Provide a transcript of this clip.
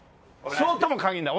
そうとも限んない？